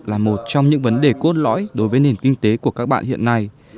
là một trong những vấn đề cốt lõi đối với nền kinh tế của các bạn hiện nay